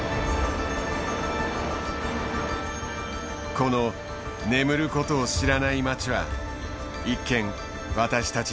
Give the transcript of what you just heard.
この眠ることを知らない街は一見私たち